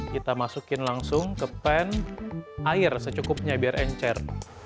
kita masukin langsung ke pan air secukupnya biar encer